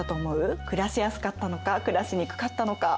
暮らしやすかったのか暮らしにくかったのか。